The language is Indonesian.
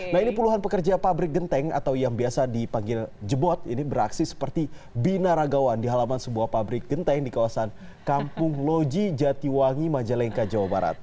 nah ini puluhan pekerja pabrik genteng atau yang biasa dipanggil jebot ini beraksi seperti bina ragawan di halaman sebuah pabrik genteng di kawasan kampung loji jatiwangi majalengka jawa barat